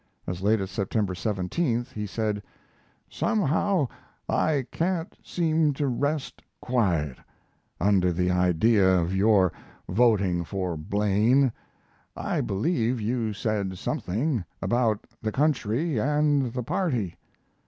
As late as September 17th, he said: Somehow I can't seem to rest quiet under the idea of your voting for Blaine. I believe you said something about the country and the party.